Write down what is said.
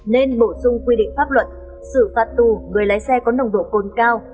nên bổ sung quy định pháp luật xử phạt tù người lái xe có nồng độ cồn cao